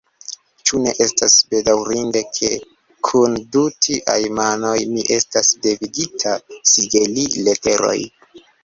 Ĉu ne estas bedaŭrinde, ke, kun du tiaj manoj, mi estas devigita sigeli leteroj!